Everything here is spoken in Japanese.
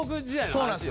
そうなんですよ。